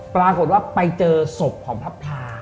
ปรากฏว่าไปเจอศพของพระพลา